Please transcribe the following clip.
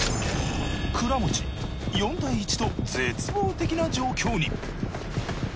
倉持４対１と絶望的な状況に。